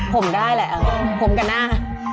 ผมได้แหละผมกับหน้า